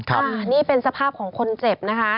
ค่ะนี่เป็นสภาพของคนเจ็บนะคะ